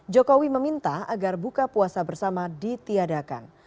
jokowi meminta agar buka puasa bersama ditiadakan